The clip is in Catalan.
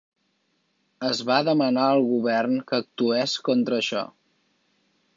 Es va demanar al govern que actués contra això.